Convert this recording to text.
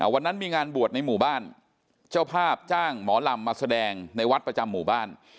วันนั้นมีงานบวชในหมู่บ้านเจ้าภาพจ้างหมอลำมาแสดงในวัดประจำหมู่บ้าน